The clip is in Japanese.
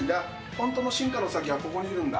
本当の進化の先はここにいるんだ。